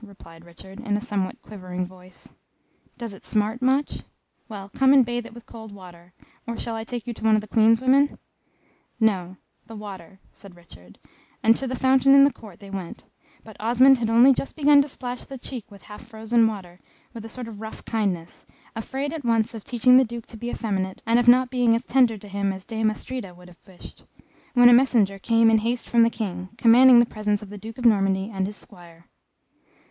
replied Richard, in a somewhat quivering voice. "Does it smart much? Well, come and bathe it with cold water or shall I take you to one of the Queen's women?" "No the water," said Richard, and to the fountain in the court they went; but Osmond had only just begun to splash the cheek with the half frozen water, with a sort of rough kindness, afraid at once of teaching the Duke to be effeminate, and of not being as tender to him as Dame Astrida would have wished, when a messenger came in haste from the King, commanding the presence of the Duke of Normandy and his Squire.